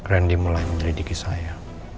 randy mulai mendridiki saya